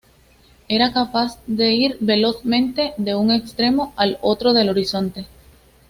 Era capaz de ir velozmente de un extremo al otro del horizonte.